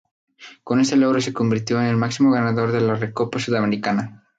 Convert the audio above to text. Con este logro se convirtió en el máximo ganador de la Recopa Sudamericana.